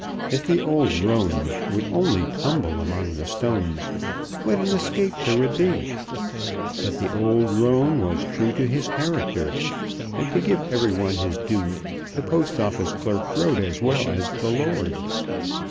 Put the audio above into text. If the old roan would only tumble among the stones what an escape there would be! But the old roan was true to his character, and, to give every one his due, the Post Office clerk rode as well as the lord.